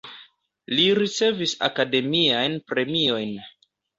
Li ricevis akademiajn premiojn.